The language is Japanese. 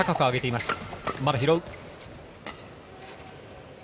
まだ拾う。